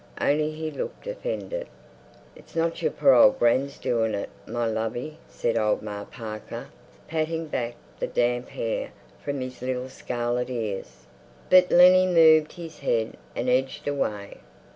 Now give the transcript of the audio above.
Only he looked offended. "It's not your poor old gran's doing it, my lovey," said old Ma Parker, patting back the damp hair from his little scarlet ears. But Lennie moved his head and edged away.